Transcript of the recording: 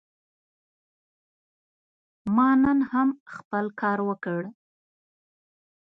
ما نن هم خپل کار وکړ.